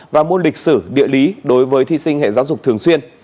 và môn lịch sử địa lý đối với thi sinh hệ giáo dục thường xuyên